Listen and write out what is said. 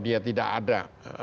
dia tidak ada